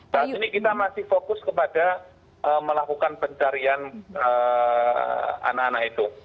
saat ini kita masih fokus kepada melakukan pencarian anak anak itu